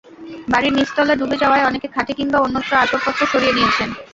বাড়ির নিচতলা ডুবে যাওয়ায় অনেকে খাটে কিংবা অন্যত্র আসবাবপত্র সরিয়ে নিয়েছেন।